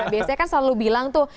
biasanya kan selalu bilang tuh